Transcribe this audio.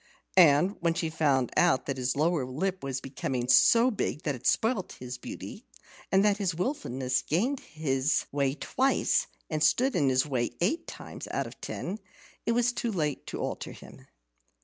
And when she found out that his lower lip was becoming so big that it spoilt his beauty, and that his wilfulness gained his way twice and stood in his way eight times out of ten, it was too late to alter him.